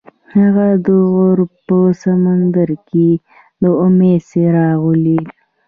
هغه د غروب په سمندر کې د امید څراغ ولید.